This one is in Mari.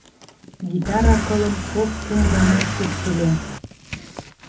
Гитара кылым кок-кум гана шупшыльо.